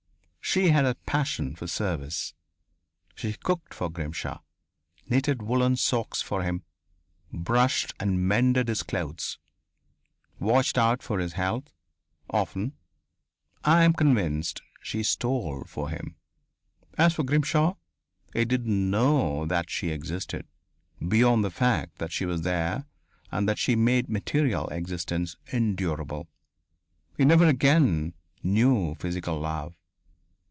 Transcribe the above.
She had a passion for service. She cooked for Grimshaw, knitted woollen socks for him, brushed and mended his clothes, watched out for his health often, I am convinced, she stole for him. As for Grimshaw, he didn't know that she existed, beyond the fact that she was there and that she made material existence endurable. He never again knew physical love.